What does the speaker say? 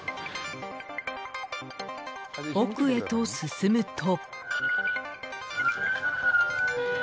奥へと進むと。